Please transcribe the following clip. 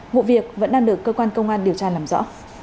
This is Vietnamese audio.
vụ việc vẫn đang được cơ quan công an điều tra làm rõ